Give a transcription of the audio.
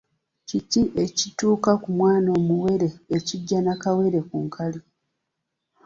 Kiki ekituuka ku mwana omuwere ekijja Nakawere ku kaali?